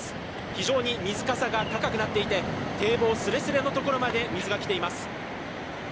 非常に水かさが高くなっていて堤防すれすれのところまで水が来ています。